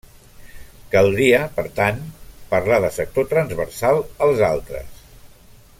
Caldria, per tant, parlar de sector transversal als altres.